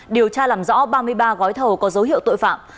điều tra làm rõ ba mươi ba gói thầu có dấu hiệu tội phạm